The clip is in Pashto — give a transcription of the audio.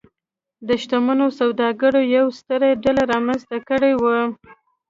د شتمنو سوداګرو یوه ستره ډله رامنځته کړې وه.